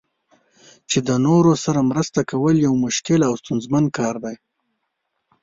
چې د نورو سره مرسته کول یو مشکل او ستونزمن کار دی.